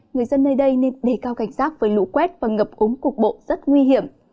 người dân nơi đây nên đề cao cảnh giác với lũ quét và ngập úng cục bộ rất nguy hiểm